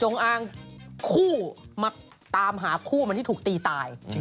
อ้างคู่มาตามหาคู่มันที่ถูกตีตาย